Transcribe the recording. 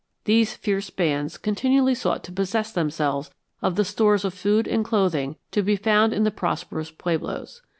These fierce bands continually sought to possess themselves of the stores of food and clothing to be found in the prosperous pueblos.